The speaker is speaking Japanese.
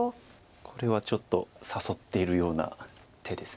これはちょっと誘っているような手です。